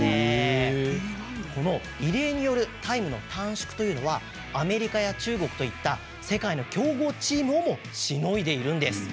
このリレーによるタイムの短縮というのはアメリカや中国といった世界の強豪チームをもしのいでいるんです。